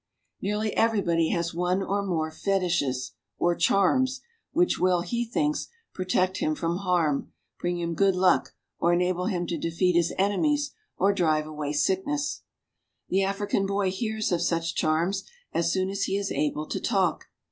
I Nearly everybody hks one or more fetishes, or charms, ■"which will, he thinks, protect him from harm, bring him good luck, or enable him to defeat his enemies or drive away sickness. The African boy hears of such charms as soon as he is able to talk.